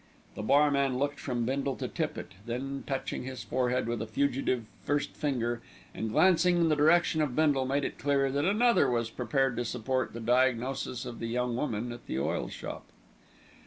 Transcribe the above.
The barman looked from Bindle to Tippitt, then touching his forehead with a fugitive first finger, and glancing in the direction of Bindle, made it clear that another was prepared to support the diagnosis of the young woman at the oil shop.